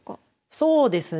そうですね。